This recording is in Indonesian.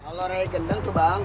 halo rey gendeng tuh bang